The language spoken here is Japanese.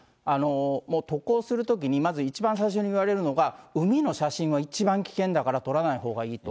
もう渡航するときに、まず一番最初に言われるのが、海の写真は一番危険だから、撮らないほうがいいと。